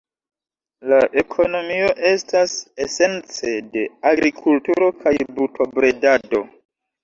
La ekonomio estas esence de agrikulturo kaj brutobredado.